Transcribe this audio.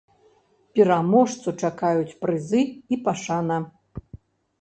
Пераможцу чакаюць прызы і пашана.